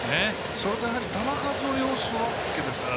それと球数を要するわけですから。